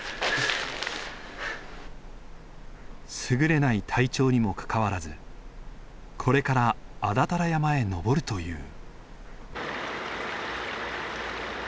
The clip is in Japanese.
すぐれない体調にもかかわらずこれから安達太良山へ登るという。